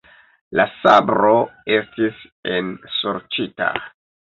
La sabro estis ensorĉita!